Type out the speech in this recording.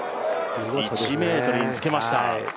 １ｍにつけました。